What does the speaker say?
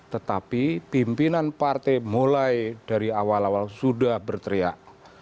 tetapi pimpinan partai mulai dari awal awal sudah berteriak